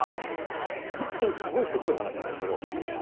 ホントにすごいせこい話なんですけど。